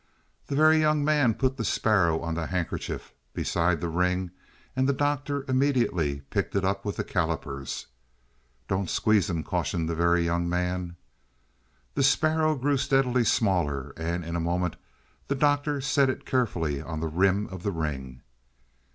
The Very Young Man put the sparrow on the handkerchief beside the ring and the Doctor immediately picked it up with the callipers. "Don't squeeze him," cautioned the Very Young Man. The sparrow grew steadily smaller, and in a moment the Doctor set it carefully on the rim of the ring.